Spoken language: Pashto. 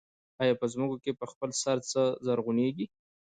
آیا په ځمکو کې په خپل سر څه زرغونېږي